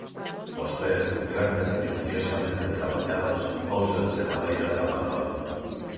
Os pés, grandes e minuciosamente traballados, póusanse na beira da mandorla.